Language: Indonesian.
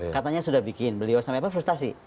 katanya sudah bikin beliau sama apa frustasi